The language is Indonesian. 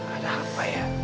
ada apa ya